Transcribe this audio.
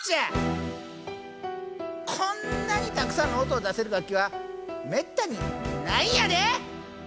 こんなにたくさんの音を出せる楽器はめったにないんやで！